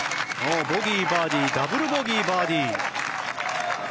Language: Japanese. ボギー、バーディーダブルボギー、バーディー。